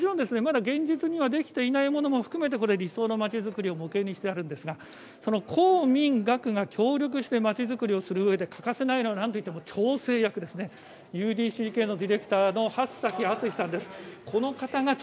まだ現実にはできていないものも含めて理想のまちづくりを模型にしていますから公・民・学が協力してまちづくりするうえで欠かせない調整役、ＵＤＣＫのディレクターの八崎篤さんです。